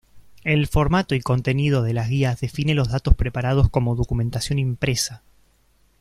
El formato y contenido de las guías define los datos preparados como documentación impresa.